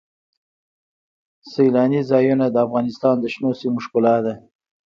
سیلانی ځایونه د افغانستان د شنو سیمو ښکلا ده.